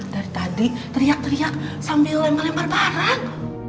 dari tadi teriak teriak sambil lempar lempar barang